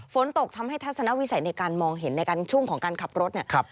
ฝนตกทำให้ทัศนวิสัยในการมองเห็นในช่วงของการขับรถเนี่ย